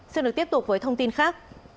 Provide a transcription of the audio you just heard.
xin được tiếp tục với thông tin khác